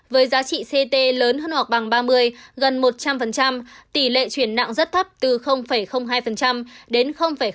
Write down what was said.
với giá trị ct lớn hơn hoặc bằng ba mươi gần một trăm linh tỷ lệ chuyển nặng rất thấp từ hai đến ba